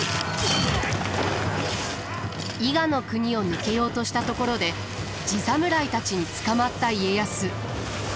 伊賀国を抜けようとしたところで地侍たちに捕まった家康。